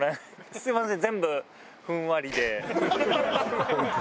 すみません